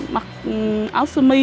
mặc áo sư mi